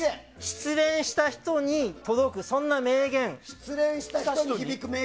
失恋した人に届く、そんな名言。